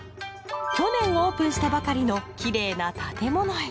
去年オープンしたばかりのきれいな建物へ。